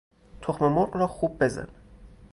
تخم مرغ را خوب بزن